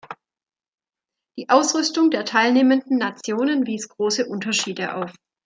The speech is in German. Die Ausrüstung der teilnehmenden Nationen wies große Unterschiede auf.